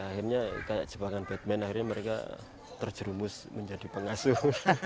akhirnya kayak jebakan batman akhirnya mereka terjerumus menjadi pengasuh